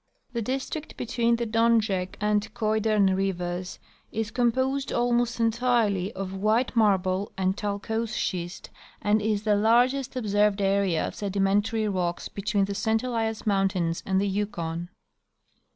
The district between the Donjek and Koidern rivers is composed almost entirely of white marble and talcose schist, and is the largest observed area of sedimentary rocks between the St Elias mountains and the Yukon.